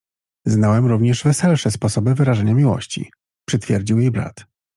— Znałem również weselsze sposoby wyrażania miłości — przytwierdził jej brat.